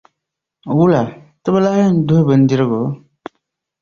Wula, ti bɛ lahi yɛn duhi bindirgu?